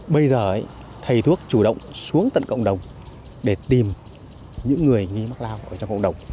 bây giờ thầy thuốc chủ động xuống tận cộng đồng để tìm những người nghi mắc lao ở trong cộng đồng